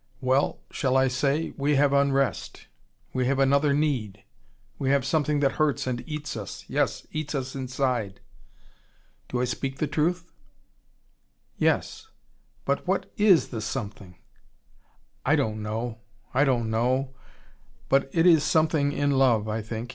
"Well shall I say? We have unrest. We have another need. We have something that hurts and eats us, yes, eats us inside. Do I speak the truth?" "Yes. But what is the something?" "I don't know. I don't know. But it is something in love, I think.